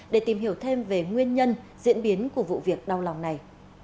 để tìm hiểu thêm về nguyên nhân diễn biến của vụ việc đau lòng này